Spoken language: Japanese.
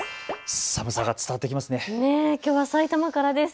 寒さが伝わってきますね。